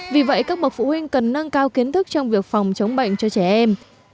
vì vậy các bậc phụ huynh cần nâng cao kiến thức trong việc phòng chống bệnh cho trẻ em